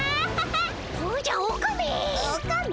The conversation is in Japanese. おじゃオカメ！